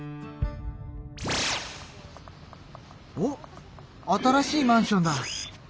おっ新しいマンションだ。